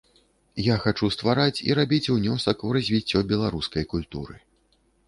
Я хачу ствараць і рабіць унёсак у развіццё беларускай культуры.